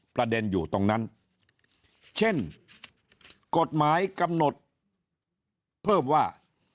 ประเด็นอยู่ตรงนั้นเช่นกฎหมายกำหนดเพิ่มว่า